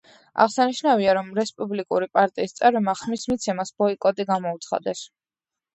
აღსანიშნავია, რომ რესპუბლიკური პარტიის წევრებმა ხმის მიცემას ბოიკოტი გამოუცხადეს.